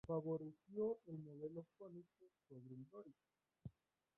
Favoreció el modelo jónico sobre el dórico.